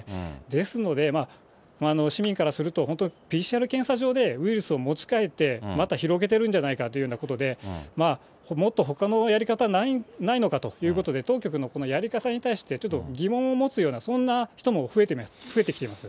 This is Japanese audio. ですので、市民からすると、本当、ＰＣＲ検査場でウイルスを持ち帰って、また広げてるんじゃないかということで、もっとほかのやり方ないのかということで、当局のこのやり方に対して、ちょっと疑問を持つような、そんな人も増えてきています。